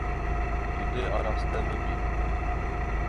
Tu dê araste bibî.